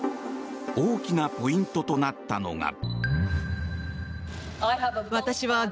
大きなポイントとなったのが。